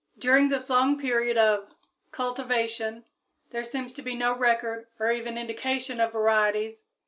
During this long period of cultivation there seems to be no record or even indication of varieties.